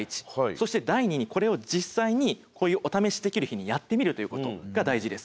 そして第二にこれを実際にこういうお試しできる日にやってみるということが大事です。